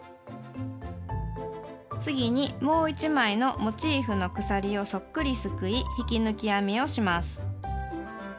次にもう１枚のモチーフの鎖をそっくりすくい引き抜き編みをします。